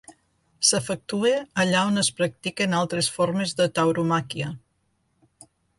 S'efectua allà on es practiquen altres formes de tauromàquia.